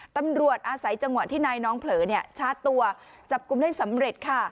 ตำรวจอาศัยจังหวะที่นายน้องเผลอชาร์จตัวจับกลุ่มได้สำเร็จค่ะ